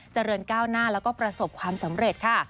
เจริญก้าวหน้าแล้วก็ประสบความสำเร็จค่ะ